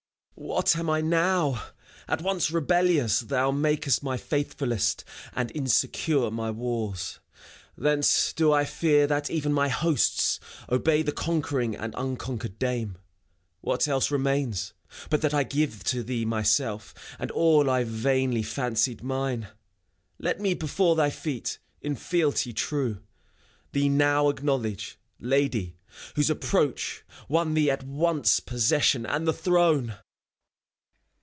What am I now? At once rebellious thou Makest my faithfullest, and insecure My walls. Thence do I fear that even my hosts Obey the conquering and unconquered Dame. What else remains, but that I give to thee Myself, and all I vainly fancied mine? Let me, before thy feet, in fealty true. Thee now acknowledge, Lady, whose approach Won thee at once possession and the throne